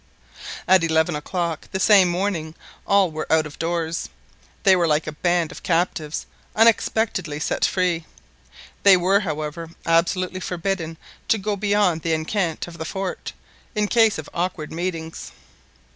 At eleven o'clock the same morning all were out of doors. They were like a band of captives unexpectedly set free. They were, however, absolutely forbidden to go beyond the enceinte of the fort, in case of awkward meetings.